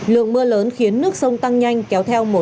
lượng mưa lớn khiến nước sông tăng nhanh kéo theo hoàn toàn